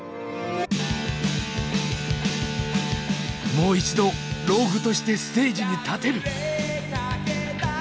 もう一度ＲＯＧＵＥとしてステージに立てる。